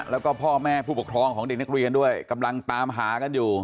แล้วก็พ่อแม่ผู้ปกครองของเด็กนักเรียนด้วยกำลังตามหากันอยู่